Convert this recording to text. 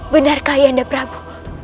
benarkah ayande prabu